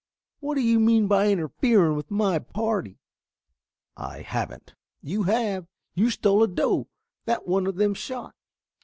What do you mean by interfering with my party?" "I haven't." "You have. You stole a doe that one of them shot."